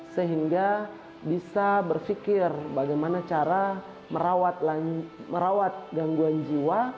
sehingga bisa berpikir bagaimana cara merawat gangguan jiwa